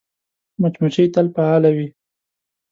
مچمچۍ تل فعاله وي